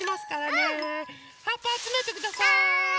はっぱあつめてください。